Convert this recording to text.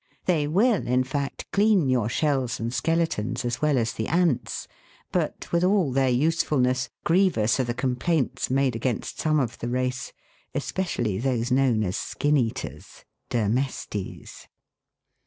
They will, in fact, clean your shells and skeletons as well as the ants ; but, with all their usefulness, grievous are the complaints made against some of the race, especially those known as skin eaters (Dermestes).